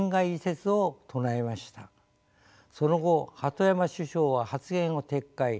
その後鳩山首相は発言を撤回。